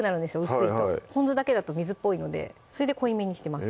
薄いとぽん酢だけだと水っぽいのでそれで濃いめにしてます